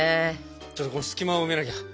ちょっとこれ隙間を埋めなきゃ。